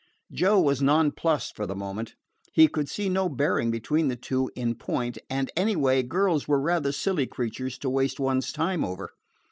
Joe was nonplussed for the moment. He could see no bearing between the two in point, and, anyway, girls were rather silly creatures to waste one's time over.